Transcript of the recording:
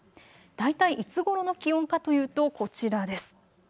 大体いつごろの気温かというとこちらです。